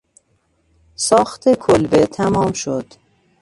ساخت کلبه تمام شد.